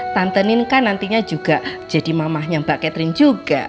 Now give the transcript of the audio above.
tante ninka nantinya juga jadi mamahnya mbak katrin juga